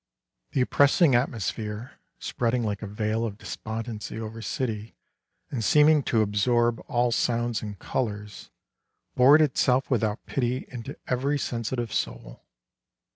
The oppressing atmosphere, spreading like a veil of despondency over city and seeming to absorb all sounds and colors, bored itself without pity into every sensitive soul.